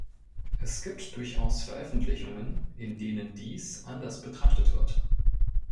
Es gibt durchaus Veröffentlichungen, in denen dies anders betrachtet wird.